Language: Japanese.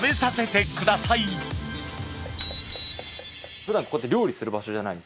普段ここって料理する場所じゃないんですよね？